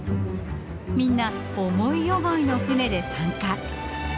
みんな思い思いの船で参加。